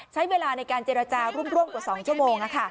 ใช้เวลาในการเจรจาร่วมกว่า๒ชั่วโมง